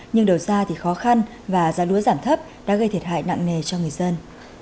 nhưng đầu ra thì khó khăn và giá lúa giảm thấp đã gây thiệt hại nặng nề cho người dân